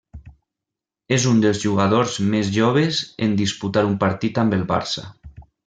És un dels jugadors més joves en disputar un partit amb el Barça.